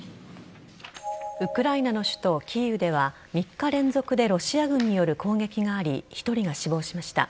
ウクライナの首都・キーウでは３日連続でロシア軍による攻撃があり１人が死亡しました。